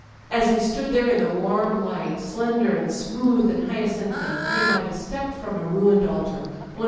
As he stood there in the warm light, slender and smooth and hya cinthine, he might have stepped from a ruined altar â€" one